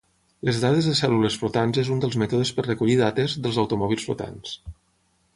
Les dades de cèl·lules flotants és un dels mètodes per recollir dates dels automòbils flotants.